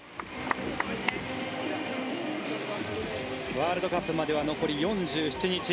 ワールドカップまでは残り４７日。